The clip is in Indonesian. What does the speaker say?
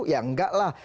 ya enggak lah